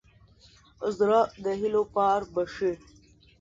زړه د هيلو پار بښي.